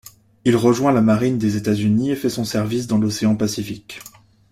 Il rejoint la marine des États-Unis et fait son service dans l'Océan Pacifique.